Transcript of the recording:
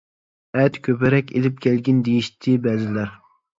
ئەتە كۆپرەك ئېلىپ كەلگىن دېيىشتى بەزىلەر.